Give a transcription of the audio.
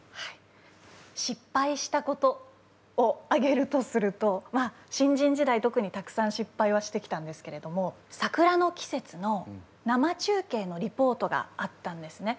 失敗したことを挙げるとするとまあ新人時代特にたくさん失敗はしてきたんですけれども桜の季節の生中継のリポートがあったんですね。